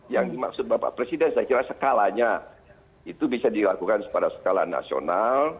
yang dimaksud bapak presiden saya kira skalanya itu bisa dilakukan pada skala nasional